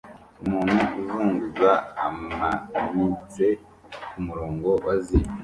Umuntu uzunguza amanitse kumurongo wa zip